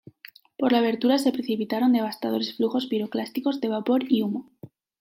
Por la abertura se precipitaron devastadores flujos piroclásticos de vapor y humo.